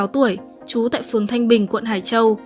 bốn mươi sáu tuổi trú tại phường thanh bình quận hải châu